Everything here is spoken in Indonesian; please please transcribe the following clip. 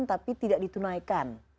tapi tidak ditunaikan